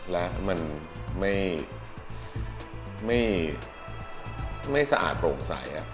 และมันไม่ไม่ไม่สะอาดโปร่งสายอ่ะ